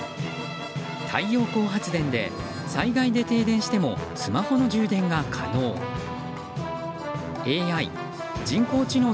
太陽光発電で災害で停電してもスマホの充電が可能。